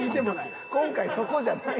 今回そこじゃない。